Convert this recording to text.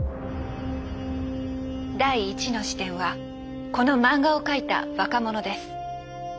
第１の視点はこの漫画を描いた若者です。